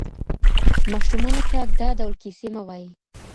ماشومانو ته دا ډول کیسې مه وایئ.